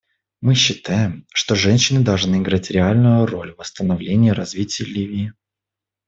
Мы считаем, что женщины должны играть реальную роль в восстановлении и развитии Ливии.